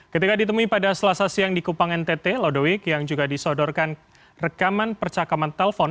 ketika ditemui pada selasa siang di kupang ntt lodowik yang juga disodorkan rekaman percakapan telpon